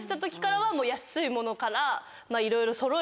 いろいろ。